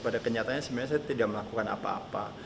pada kenyataannya sebenarnya saya tidak melakukan apa apa